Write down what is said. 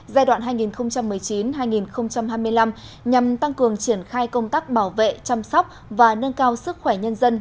giai đoạn hai nghìn một mươi chín hai nghìn hai mươi năm nhằm tăng cường triển khai công tác bảo vệ chăm sóc và nâng cao sức khỏe nhân dân